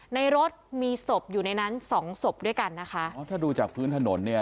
ในรถมีศพอยู่ในนั้นสองศพด้วยกันนะคะอ๋อถ้าดูจากพื้นถนนเนี่ย